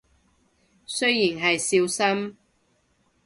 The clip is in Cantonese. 雖然係少深